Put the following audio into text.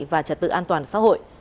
và trật tự an toàn xã hội